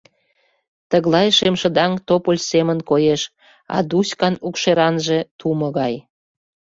Тыглай шемшыдаҥ тополь семын коеш, а Дуськан укшеранже — тумо гай.